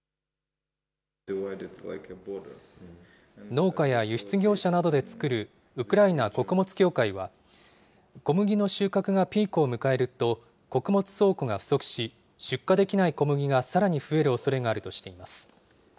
農家や輸出業者などで作るウクライナ穀物協会は、小麦の収穫がピークを迎えると穀物倉庫が不足し、出荷できない小麦がさらに増えるおそれがあるとしています。